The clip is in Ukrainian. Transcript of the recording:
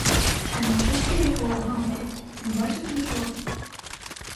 А не чув ти якого гамору, не бачив нічого?